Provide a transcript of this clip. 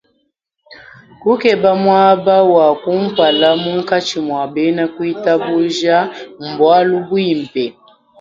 Kukeba muaba wa kumpala munkatshi mua bena kuitabuja, mbualu bubi.